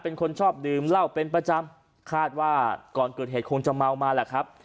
เป็นคนชอบดื่มเหล้าเป็นประจำคาดว่าก่อนเกิดเหตุคงจะเมามาแหละครับ